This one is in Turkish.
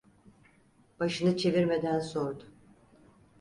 Başını çevirmeden sordu.